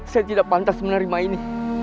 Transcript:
saya tidak pantas menerima ini